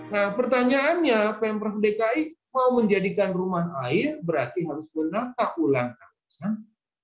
nah pertanyaannya pemprov dki mau menjadikan rumah air berarti harus menata ulang kawasan